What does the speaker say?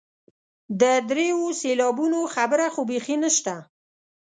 د دریو سېلابونو خبره خو بیخي نشته.